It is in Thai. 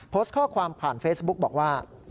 โพสต์ข้อความผ่านเฟซบุ๊กบอกว่า